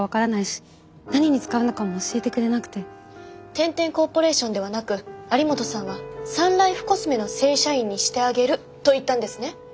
天・天コーポレーションではなく有本さんは「サンライフコスメの正社員にしてあげる」と言ったんですね？